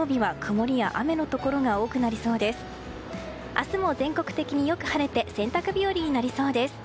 明日も全国的によく晴れて洗濯日和になりそうです。